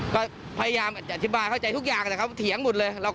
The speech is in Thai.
ก็พยายามอธิบายเข้าใจทุกอย่างนะครับเถียงหมดเลย